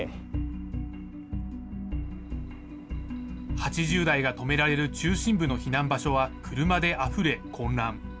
８０台が止められる中心部の避難場所は車であふれ、混乱。